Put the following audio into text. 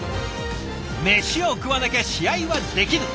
メシを食わなきゃ試合はできぬ。